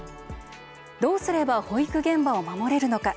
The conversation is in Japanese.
どうすれば保育現場を守れるのか。